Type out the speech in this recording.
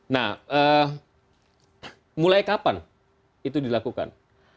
nah mulai kapan itu dilakukan